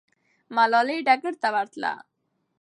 ملالۍ ډګر ته ورتله.